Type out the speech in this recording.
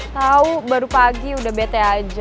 tahu baru pagi udah bete aja